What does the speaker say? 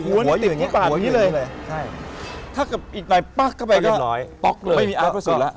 หัวตรงนี้เลยถ้าบิดดายป๊ากเข้าก็ไอเหรอ